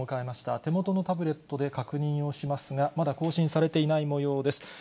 手元のタブレットで確認をしますが、まだ更新されていないもようです。